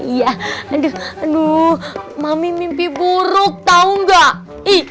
iya aduh mami mimpi buruk tau gak